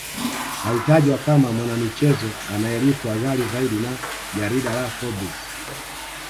alitajwa kama mwanamichezo anayelipwa ghali Zaidi na jarida la forbes